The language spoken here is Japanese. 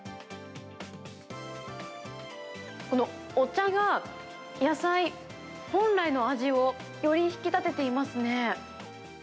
このお茶が、野菜本来の味を、より引き立てていますね。